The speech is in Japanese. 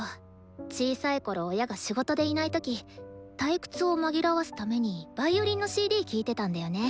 小さいころ親が仕事でいない時退屈を紛らわすためにヴァイオリンのＣＤ聴いてたんだよね。